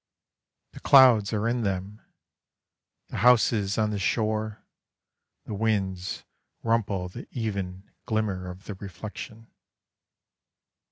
The clouds are in them, The houses on the shore, The winds rumple the even Glimmer of the reflection.